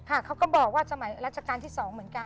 ค่ะเขาก็บอกว่าสมัยรัชกาลที่๒เหมือนกัน